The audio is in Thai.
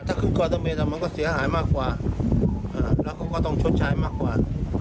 ถ้าคืนกราศเมตรมันก็เสียหายมากกว่าอ่าแล้วก็ก็ต้องชดใช้มากกว่า